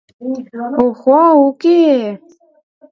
О-хо, уке-э!